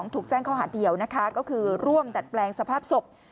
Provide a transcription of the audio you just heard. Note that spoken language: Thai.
ถูกแจ้งข้อหาเดียวนะคะก็คือร่วมดัดแปลงสภาพศพ